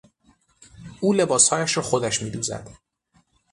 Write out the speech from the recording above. او لباسهایش را خودش میدوزد.